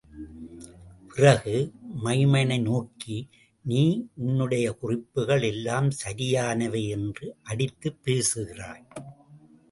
பிறகு மைமனை நோக்கி நீ உன்னுடைய குறிப்புகள் எல்லாம் சரியானவை என்று அடித்துப் பேசுகிறாய்.